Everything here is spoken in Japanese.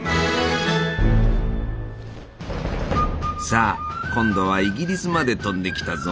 さあ今度はイギリスまで飛んできたぞ。